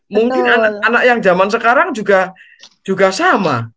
mungkin anak anak yang zaman sekarang juga sama